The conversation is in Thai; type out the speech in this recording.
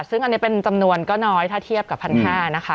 ซึ่งอันนี้เป็นจำนวนก็น้อยถ้าเทียบกับ๑๕๐๐นะคะ